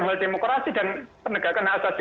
hal demokrasi dan penegakan hak asasi